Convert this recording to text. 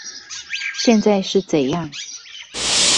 現在是怎樣